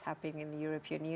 apa yang terjadi